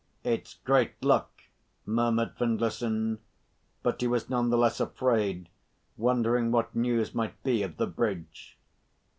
"It's great luck," murmured Findlayson, but he was none the less afraid, wondering what news might be of the bridge.